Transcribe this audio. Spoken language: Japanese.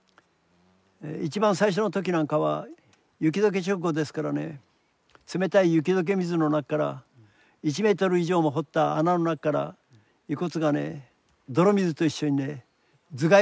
一番最初の時なんかは雪解け直後ですからね冷たい雪解け水の中から１メートル以上も掘った穴の中から遺骨がね泥水と一緒にね頭蓋骨が引きあげられてくるという。